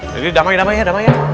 jadi damai damai ya damai ya